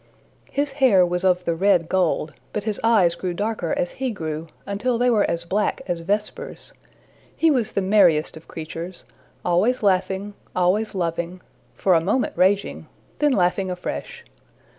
His hair was of the red gold, but his eyes grew darker as he grew, until they were as black as Vesper's. He was the merriest of creatures, always laughing, always loving, for a moment raging, then laughing afresh.